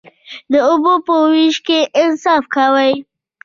د اوبو په ویش کې انصاف کوئ؟